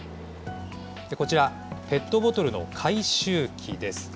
こちら、ペットボトルの回収機です。